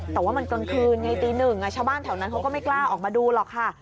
แต่ว่ามันกลางคืนไงตีหนึ่งชาวบ้านแถวนั้นเขาก็ไม่กล้าออกมาดูหรอกค่ะ